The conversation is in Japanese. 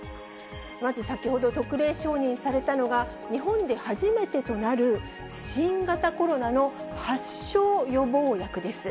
まず先ほど、特例承認されたのが、日本で初めてとなる新型コロナの発症予防薬です。